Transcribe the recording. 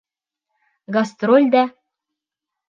Гастроль дә...